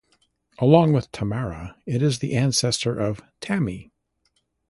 Along with Tamara it is the ancestor of "Tammy".